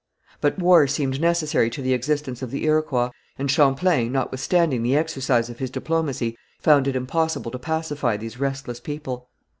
But war seemed necessary to the existence of the Iroquois, and Champlain, notwithstanding the exercise of his diplomacy, found it impossible to pacify these restless people.